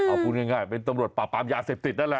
เอาพูดง่ายเป็นตำรวจปราบปรามยาเสพติดนั่นแหละ